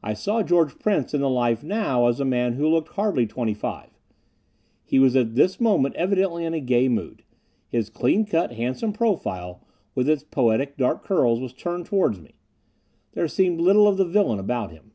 I saw George Prince in the life now as a man who looked hardly twenty five. He was at this moment evidently in a gay mood. His clean cut, handsome profile, with its poetic dark curls, was turned toward me. There seemed little of the villain about him.